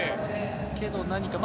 けど何か。